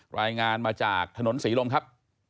รายงานมาจากถนนศรีลมครับ